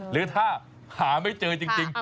หรือถ้าหาไม่เจอจริง